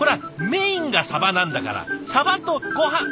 メインがサバなんだからサバとごはん。